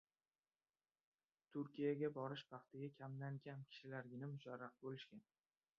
Turkiyaga borish baxtiga kamdan-kam kishilargina musharraf bo‘lishgan.